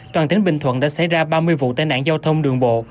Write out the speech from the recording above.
toàn tỉnh bình thuận đã xảy ra ba mươi vụ tai nạn giao thông đường bộ